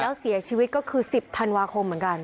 แล้วเสียชีวิตก็คือ๑๐ธันวาคมเหมือนกัน